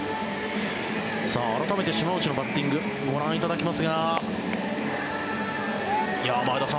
改めて島内のバッティングをご覧いただきますが前田さん